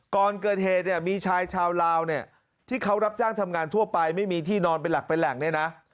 ก่อนเกิดเหตุเนี่ยมีชายชาวลาวเนี่ยที่เขารับจ้างทำงานทั่วไปไม่มีที่นอนเป็นหลักเป็นแหล่งเนี่ยนะ